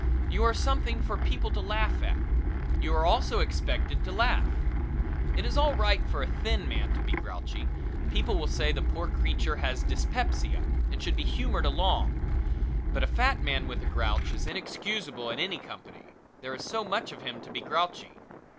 You are something for people to laugh at. You are also expected to laugh. It is all right for a thin man to be grouchy; people will say the poor creature has dyspepsia and should be humored along. But a fat man with a grouch is inexcusable in any company there is so much of him to be grouchy.